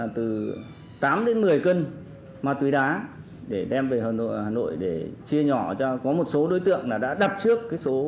từ tám đến một mươi kg ma túy đá để đem về hà nội để chia nhỏ cho có một số đối tượng đã đặt trước